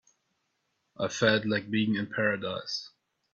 I felt like being in paradise.